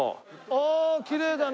ああきれいだね！